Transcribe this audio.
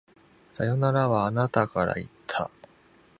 さよならは、あなたから言った。